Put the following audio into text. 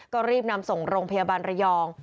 ก็รีบนำส่งโรงพยาบาลระยอง